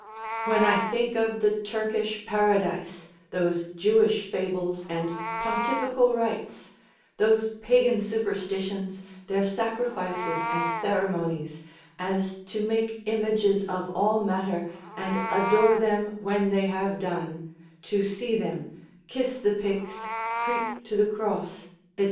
When I think of the Turkish paradise, those Jewish fables, and pontifical rites, those pagan superstitions, their sacrifices, and ceremonies, as to make images of all matter, and adore them when they have done, to see them, kiss the pyx, creep to the cross, &c.